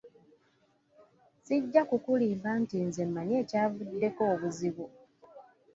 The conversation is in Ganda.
Sijja kukulimba nti nze mmanyi ekyavuddeko obuzibu!